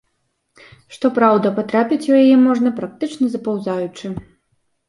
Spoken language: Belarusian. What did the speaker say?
Што праўда, патрапіць у яе можна, практычна запаўзаючы.